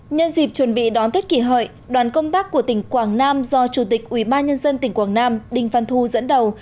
nhân dịp chuẩn bị đón tết kỷ hợi đoàn công tác của tỉnh quảng nam do chủ tịch ubnd tỉnh quảng nam đinh văn thu dẫn đầu